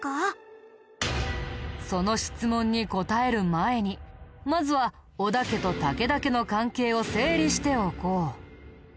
その質問に答える前にまずは織田家と武田家の関係を整理しておこう。